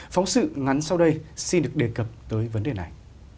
phóng sự ngắn sau đây xin được đề cập tới vấn đề này